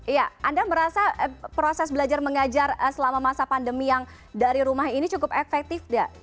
iya anda merasa proses belajar mengajar selama masa pandemi yang dari rumah ini cukup efektif tidak